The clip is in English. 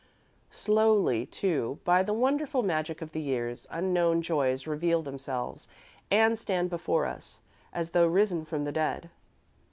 Slowly, too, by the wonderful magic of the years, unknown joys reveal themselves and stand before us, as though risen from the dead.